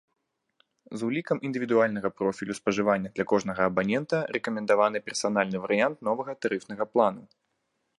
З улікам індывідуальнага профілю спажывання для кожнага абанента рэкамендаваны персанальны варыянт новага тарыфнага плану.